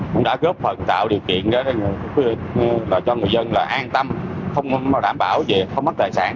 cũng đã góp phần tạo điều kiện cho người dân an tâm không đảm bảo gì không mất tài sản